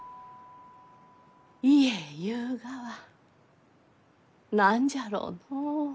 家ゆうがは何じゃろうのう？